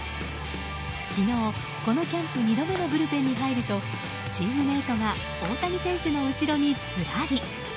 昨日、このキャンプ２度目のブルペンに入るとチームメートが大谷選手の後ろにずらり。